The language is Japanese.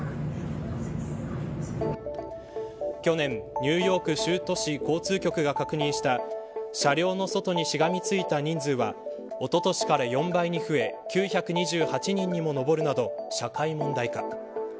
去年ニューヨーク州都市交通局が確認した車両の外にしがみついた人数はおととしから４倍に増え９２８人にも上るなど社会問題化。